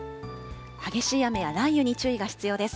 激しい雨や雷雨に注意が必要です。